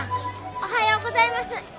おはようございます。